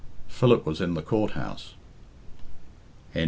Philip was in the Court house. XXII.